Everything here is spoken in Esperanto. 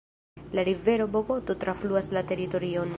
La rivero Bogoto trafluas la teritorion.